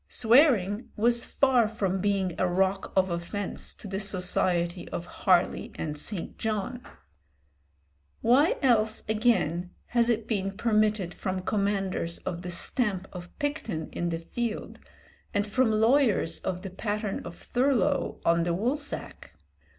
Swearing was far from being a rock of offence to the society of Harley and St. John. Why else, again, has it been permitted from commanders of the stamp of Picton in the field, and from lawyers of the pattern of Thurlow on the woolsack?